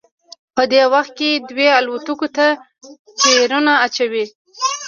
په دې وخت کې دوی الوتکو ته ټیرونه اچوي